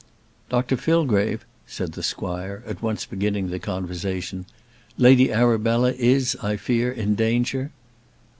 "Dr Fillgrave," said the squire, at once beginning the conversation, "Lady Arabella, is, I fear, in danger?"